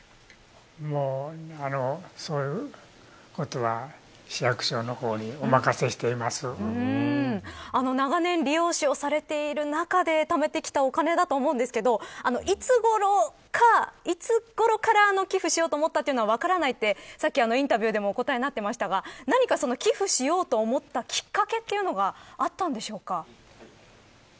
そういうことは、市役所の方に長年理容師をされている中でためてきたお金だと思うんですけどいつごろから寄付しようと思ったというのは分からないと、さっきインタビューでもおっしゃっていましたが何か寄付にしようと思ったきっかけというのはあったんでしょうか。